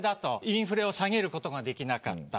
インフレを下げることができなかった。